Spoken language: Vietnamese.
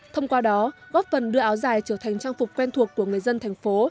thông qua đó góp phần đưa áo dài trở thành trang phục quen thuộc của người dân thành phố